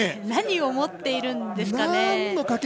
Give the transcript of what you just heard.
何を持っているんですかね。